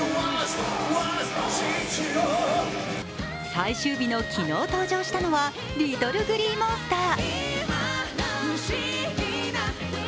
最終日の昨日、登場したのはＬｉｔｔｌｅＧｌｅｅＭｏｎｓｔｅｒ。